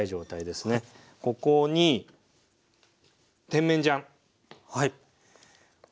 ここに甜麺醤。